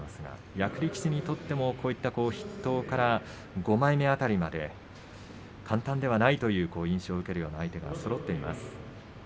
役力士にとっても、こういった筆頭から５枚目辺りまで簡単ではないという印象を受けるような相手がそろっています。